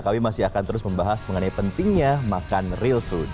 kami masih akan terus membahas mengenai pentingnya makan real food